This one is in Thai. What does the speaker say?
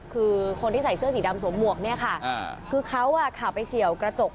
คือคนที่ใส่เสื้อสีดำสวมหมวกเนี่ยค่ะ